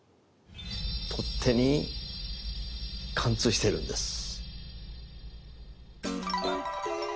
取っ手に貫通しているんです！